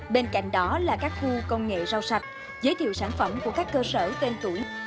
bên cạnh đó là các khu công nghệ rau sạch giới thiệu sản phẩm của các cơ sở tên tuổi